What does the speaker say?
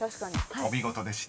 ［お見事でした］